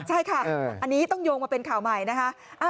ใช่ค่ะอันนี้ต้องโยงมาเป็นข่าวใหม่นะคะ